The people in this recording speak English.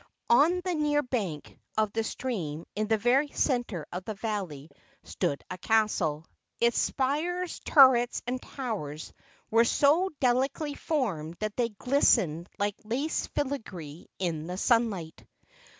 On the near bank of the stream, in the very center of the valley, stood a castle. Its spires, turrets, and towers were so delicately formed that they glistened like lace filigree in the sunlight.